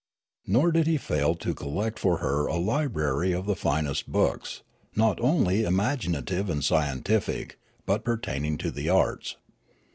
Nor did he fail to collect for her a library of the finest books, not only imaginative and scientific, but pertaining to the arts.